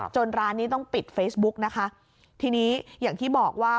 ร้านนี้ต้องปิดเฟซบุ๊กนะคะทีนี้อย่างที่บอกว่า